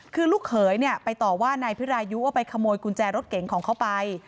คือลูกเขยเนี่ยไปต่อว่านายพิรายุว่าไปขโมยกุญแจรถเก่งของเขาไป